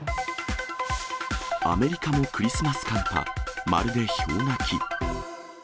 アメリカもクリスマス寒波、まるで氷河期。